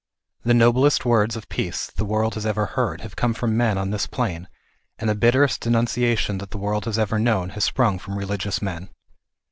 The noblest words of peace that the world has ever heard have come from men on this plane, and the bitterest denunciation that the world has ever known has sprung from religious men.